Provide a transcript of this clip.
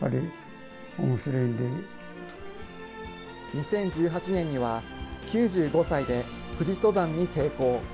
２０１８年には９５歳で富士登山に成功。